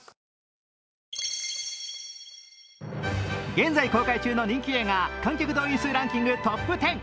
現在公開中の人気映画、観客動員数ランキングトップ１０。